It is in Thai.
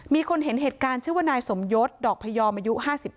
มีคนเห็นเหตุการณ์ชื่อว่านายสมยศดอกพยอมอายุ๕๙